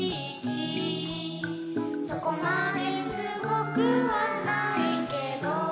「そこまですごくはないけど」